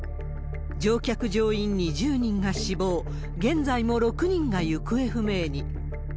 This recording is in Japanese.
乗客・乗員２０人が死亡、現在も６人が行方不明に。